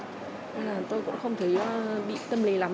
nên là tôi cũng không thấy bị tâm lý lắm